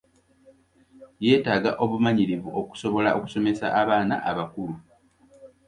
Yeetaaga obumanyirivu okusobola okusomesa abaana abakulu.